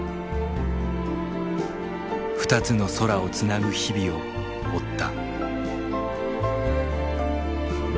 二つの空をつなぐ日々を追った。